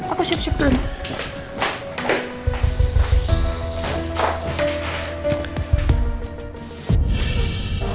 aku siap dua dulu